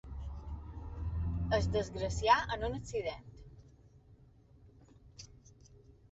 Es desgracià en un accident.